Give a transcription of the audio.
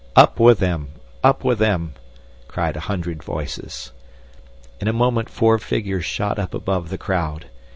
'Up with them! up with them!' cried a hundred voices. In a moment four figures shot up above the crowd.